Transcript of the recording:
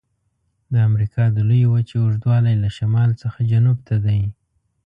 د امریکا د لویې وچې اوږدوالی له شمال څخه جنوب ته دی.